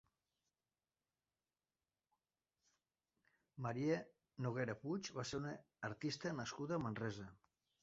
Maria Noguera Puig va ser una artista nascuda a Manresa.